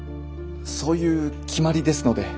そういう決まりですので。